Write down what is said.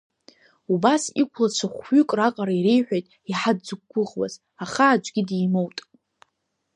Убас иқәлацәа хәҩык раҟара иреиҳәеит, иаҳа дзықәгәыӷуаз, аха аӡәгьы димоут.